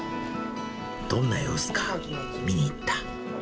どんな様子か、見に行った。